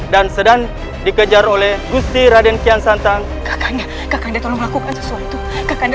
dan sedang dikejar oleh gusti raden kian santan kakaknya kakaknya tolong lakukan sesuatu kakaknya